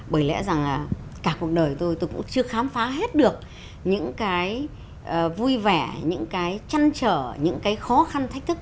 bởi lẽ rằng là cả cuộc đời tôi cũng chưa khám phá hết được những cái vui vẻ những cái chăn trở những cái khó khăn thách thức